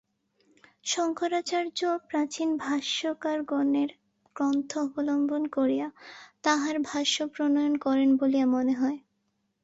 শঙ্করাচার্যও প্রাচীন ভাষ্যকারগণের গ্রন্থ অবলম্বন করিয়া তাঁহার ভাষ্য প্রণয়ন করেন বলিয়া মনে হয়।